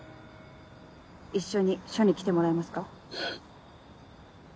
一緒に署に来てもらえますか？